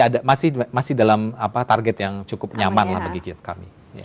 jadi masih dalam target yang cukup nyaman bagi kami